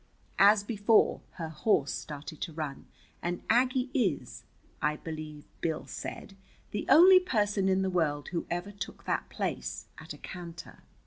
As before, her horse started to run, and Aggie is, I believe Bill said, the only person in the world who ever took that place at a canter.